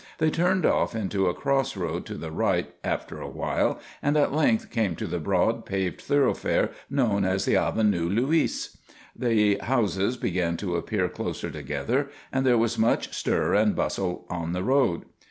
They turned off into a cross road to the right after a while and at length came to the broad, paved thoroughfare known as the Avenue Louise. The houses began to appear closer together and there was much stir and bustle on the road.